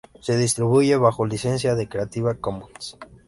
Se distribuye bajo licencia de Creative Commons.